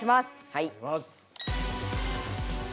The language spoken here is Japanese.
はい。